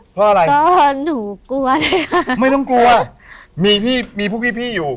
เพราะอะไรก็หนูกลัวเลยค่ะไม่ต้องกลัวมีพี่มีพวกพี่พี่อยู่